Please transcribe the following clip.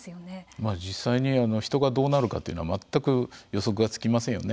実際に人がどうなるかというのは全く予測がつきませんよね。